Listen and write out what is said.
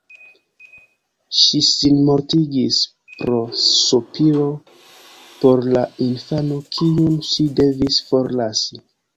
Ŝi sinmortigis pro sopiro por la infano kiun ŝi devis forlasi.